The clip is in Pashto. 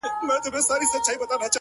نه پر مسجد ږغېږم نه پر درمسال ږغېږم’